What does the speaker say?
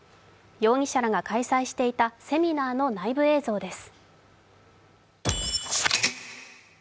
容疑者らが開催していたセミナーの内部映像です。